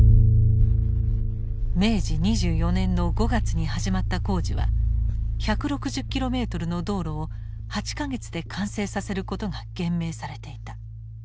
明治２４年の５月に始まった工事は１６０キロメートルの道路を８か月で完成させることが厳命されていた。